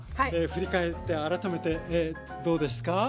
振り返って改めてどうですか？